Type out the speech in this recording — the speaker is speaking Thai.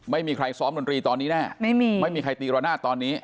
ไม่มีใครซ้อมดนตรีตอนนี้แน่ไม่มีไม่มีใครตีระนาดตอนนี้